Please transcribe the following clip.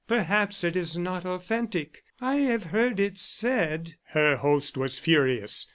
"Perhaps it is not authentic. I have heard it said." Her host was furious.